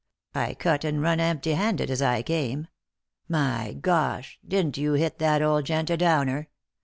I cut and run empty handed, as I came. My gosh I didn't you hit that old gent a downer!